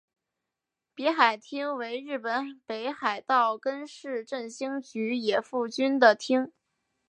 别海町为日本北海道根室振兴局野付郡的町。